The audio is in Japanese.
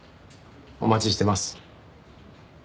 お待ちしてます。